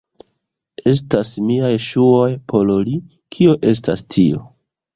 Estas miaj ŝuoj por li. Kio estas tio?